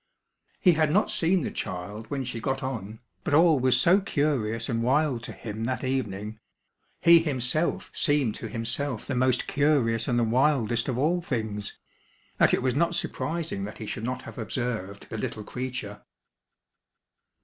He had not seen the child when she got on, but all was so curious and wild to him that evening he himself seemed to himself the most curious and the wildest of all things that it was not surprising that he should not have observed the little creature.